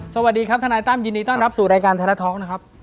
สวัสดีครับทนายตั้มยินดีต้อนรับสู่รายการทะละท้อง